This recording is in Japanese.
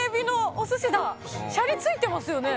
シャリついてますよね？